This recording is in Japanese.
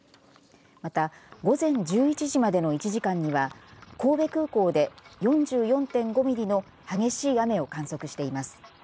また午前１１時までの１時間には神戸空港で４４．５ミリの激しい雨を観測しています。